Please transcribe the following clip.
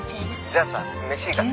「じゃあさ飯行かない？」